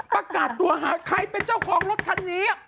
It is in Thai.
ประกาศตัวหาใครเป็นเจ้าของรถคันนี้